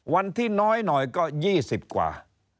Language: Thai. วันที่น้อยหน่อยก็๒๐กว่า